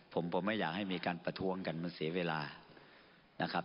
ผมผมไม่อยากให้มีการประท้วงกันมันเสียเวลานะครับ